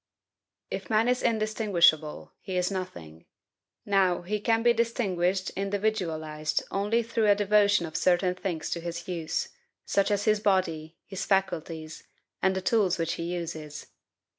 If man is indistinguishable, he is nothing. Now, he can be distinguished, individualized, only through a devotion of certain things to his use, such as his body, his faculties, and the tools which he uses.